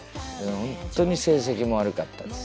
本当に成績も悪かったです。